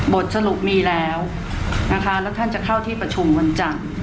บทสรุปมีแล้วนะคะแล้วท่านจะเข้าที่ประชุมวันจันทร์